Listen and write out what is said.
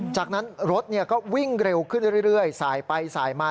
จากนั้นรถก็วิ่งเร็วขึ้นเรื่อยสายไปสายมา